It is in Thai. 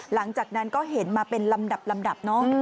หลังจากนั้นก็เห็นมาเป็นลำดับลำดับเนอะ